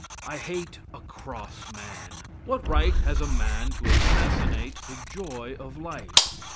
I hate a cross man. What right has a man to assassinate the joy of life?